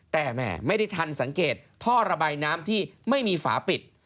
แต่แหมไม่ได้ทันสังเกตท่อระบายน้ำที่ไม่มีฝาปิด